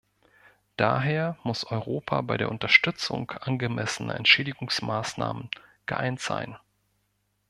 Daher muss Europa bei der Unterstützung angemessener Entschädigungsmaßnahmen geeint sein.